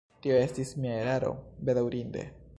Tio estis mia eraro, bedaŭrinde.